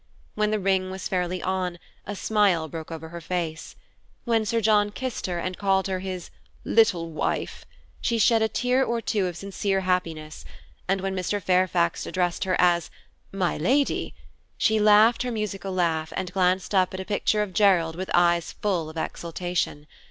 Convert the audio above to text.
When the ring was fairly on, a smile broke over her face. When Sir John kissed and called her his "little wife," she shed a tear or two of sincere happiness; and when Mr. Fairfax addressed her as "my lady," she laughed her musical laugh, and glanced up at a picture of Gerald with eyes full of exultation.